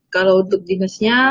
kalau untuk dinasnya